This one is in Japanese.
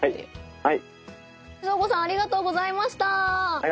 はい。